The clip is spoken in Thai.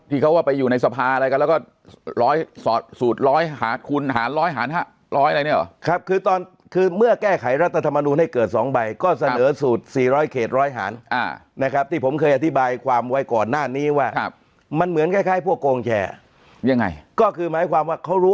ที่เขาว่าไปอยู่ในสภาอะไรกันแล้วก็สูตรร้อยหาดคูณหาดร้อยหาดหาดหาดร้อยอะไรเนี่ยหรอ